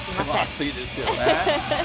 熱いですよね。